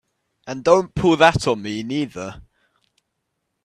And don't pull that on me neither!